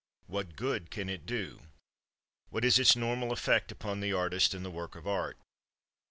What good can it do? What is its normal effect upon the artist and the work of art?